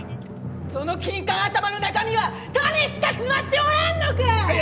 そのキンカン頭の中身は種しか詰まっておらんのか！